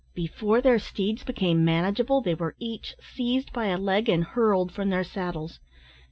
Before their steeds became manageable, they were each seized by a leg, and hurled from their saddles.